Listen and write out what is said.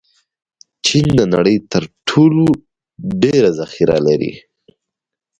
چین د نړۍ تر ټولو ډېر ذخیره لري.